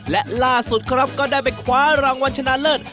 และลักษณ์สุดก็ได้ไปคว้ารองวัลชนะเลิศ